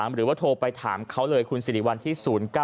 หรือว่าโทรไปถามเขาเลยคุณสิริวัณที่๐๙๕๒๙๐๘๔๗๒